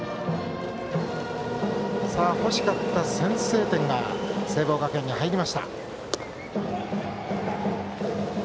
欲しかった先制点が聖望学園に入りました。